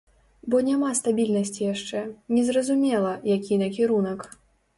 Бо няма стабільнасці яшчэ, незразумела, які накірунак.